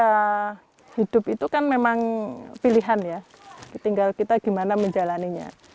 ya hidup itu kan memang pilihan ya tinggal kita gimana menjalannya